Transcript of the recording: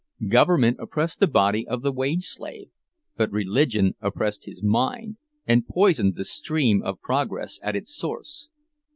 Government oppressed the body of the wage slave, but Religion oppressed his mind, and poisoned the stream of progress at its source.